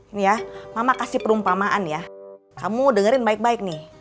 ini ya mama kasih perumpamaan ya kamu dengerin baik baik nih